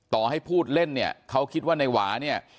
ต่อให้พูดเล่นเนี่ยเขาคิดว่าในหวาเนี่ย